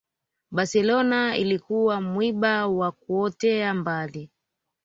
barcelona ilikuwa mwiba wa kuotea mbali